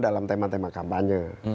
dalam tema tema kampanye